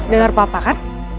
dengar papa kan